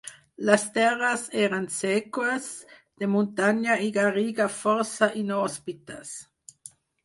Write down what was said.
Les terres eren seques, de muntanya i garriga força inhòspites.